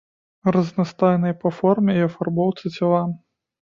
Разнастайныя па форме і афарбоўцы цела.